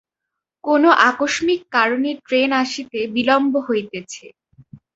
কোনো আকস্মিক কারণে ট্রেন আসিতে বিলম্ব হইতেছে।